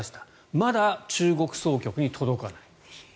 まだ中国総局に届かない。